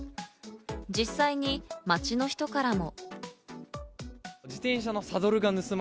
実際に街の人からも。